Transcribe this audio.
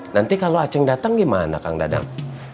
nanti kalau aceng datang gimana kang dadang